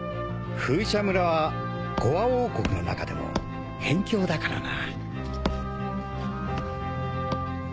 フーシャ村はゴア王国の中でも辺境だからな。